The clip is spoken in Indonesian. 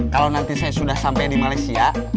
kalau nanti saya sudah sampai di malaysia